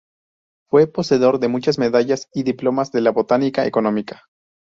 Fue poseedor de muchas medallas y diplomas de la botánica económica.